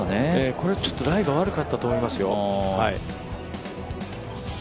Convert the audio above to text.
これちょっとライが悪かったと思いますよ。